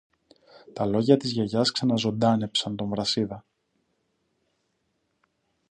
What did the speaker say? Τα λόγια της Γιαγιάς ξαναζωντάνεψαν τον Βρασίδα.